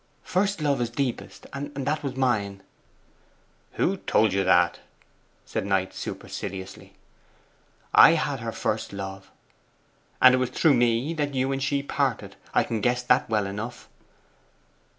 'First love is deepest; and that was mine.' 'Who told you that?' said Knight superciliously. 'I had her first love. And it was through me that you and she parted. I can guess that well enough.